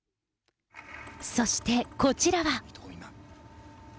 そして、こちらは。